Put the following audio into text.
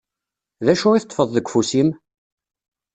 D acu i teṭṭfeḍ deg ufus-im?